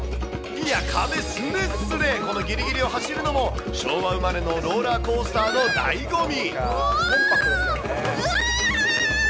いや、壁すれすれ、このぎりぎりを走るのも昭和生まれのローラーコースターのだいご味。